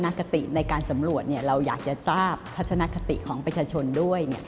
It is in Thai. คติในการสำรวจเราอยากจะทราบทัศนคติของประชาชนด้วย